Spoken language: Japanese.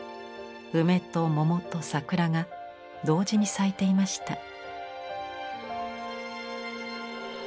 梅と桃と桜が同時に咲いていました。